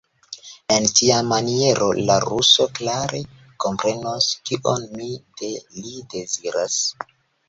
En tia maniero la ruso klare komprenos, kion mi de li deziras.